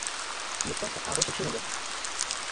Les force à rechercher la mort.